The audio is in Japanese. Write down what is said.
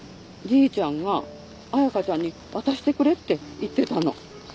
じいちゃんが彩佳ちゃんに渡してくれって言ってたの。